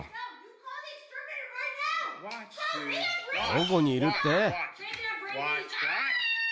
どこにいるって？